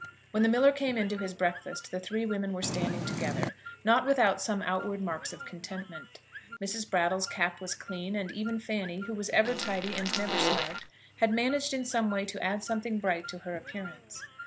When the miller came in to his breakfast the three women were standing together, not without some outward marks of contentment. Mrs. Brattle's cap was clean, and even Fanny, who was ever tidy and never smart, had managed in some way to add something bright to her appearance.